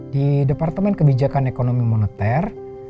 di departemen kebijakan ekonomi moneter